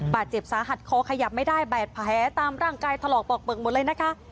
บาดเจ็บสาหัสคอขยับไม่ได้บาดแผลตามร่างกายถลอกปอกเบิกหมดเลยนะคะ